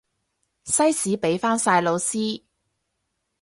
西史畀返晒老師